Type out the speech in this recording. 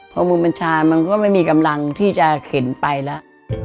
เพราะมือมันชามันก็ไม่มีกำลังที่จะเข่นไปแล้ว